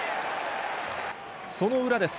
その裏です。